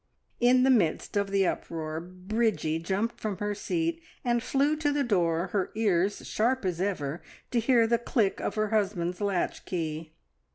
In the midst of the uproar Bridgie jumped from her seat and flew to the door, her ears sharp as ever to hear the click of her husband's latch key.